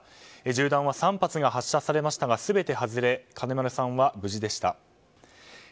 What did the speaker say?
銃弾は３発発射されましたが全て外れ金丸さんは無事でした。